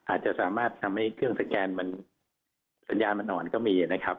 อาจจะสามารถทำให้เครื่องสแกนมันสัญญาณมันอ่อนก็มีนะครับ